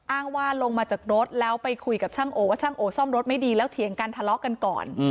อ้างว่าลงมาจากรถแล้วไปคุยกับช่างโอว่าช่างโอซ่อมรถไม่ดีแล้วเถียงกันทะเลาะกันก่อน